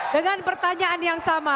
dengan pertanyaan yang sama